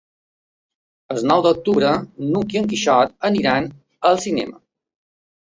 El nou d'octubre n'Hug i en Quixot iran al cinema.